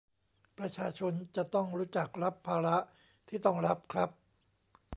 ประชาชนจะต้องรู้จักรับภาระที่ต้องรับครับ